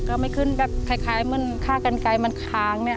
ไม่ขึ้นแบบคล้ายเหมือนค่ากันไกลมันค้างเนี่ย